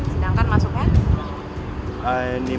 sedangkan kapal gunceng dua